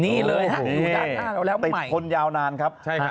นี่เลยฮะอยู่ด้านหน้าเราแล้วใหม่ติดทนยาวนานครับ